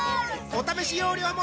お試し容量も